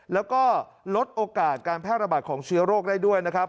แล้วก็ลดโอกาสการแพร่ระบาดของเชื้อโรคได้ด้วยนะครับ